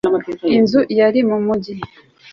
cy inzu yari mu mugi